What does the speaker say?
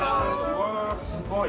うわすごい。